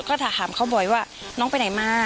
เพราะอาเองก็ดูข่าวน้องชมพู่